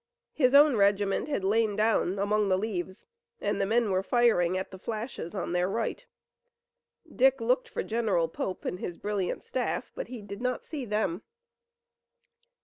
His own regiment had lain down among the leaves, and the men were firing at the flashes on their right. Dick looked for General Pope and his brilliant staff, but he did not see them.